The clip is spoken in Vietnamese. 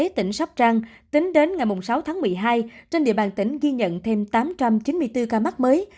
sở y tế tỉnh sóc trăng tính đến ngày sáu tháng một mươi hai trên địa bàn tỉnh ghi nhận thêm tám trăm chín mươi bốn ca mắc mới